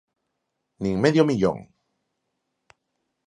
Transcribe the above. Nin medio millón.